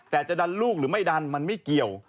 แต่จะดันลูกหรือไม่ดันมันไม่เกี่ยว